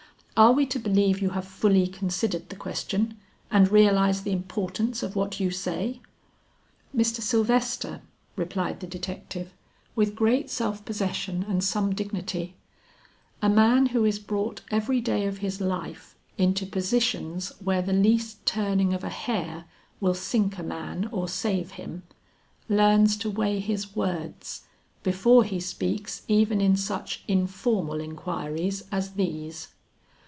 Are we to believe you have fully considered the question, and realize the importance of what you say?" "Mr. Sylvester," replied the detective, with great self possession and some dignity, "a man who is brought every day of his life into positions where the least turning of a hair will sink a man or save him, learns to weigh his words, before he speaks even in such informal inquiries as these."